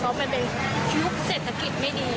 เพราะว่ามันเป็นยุคเศรษฐกิจไม่ดีเราต้องทำยังไงก็ได้